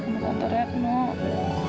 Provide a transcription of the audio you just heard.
mbak antara mbak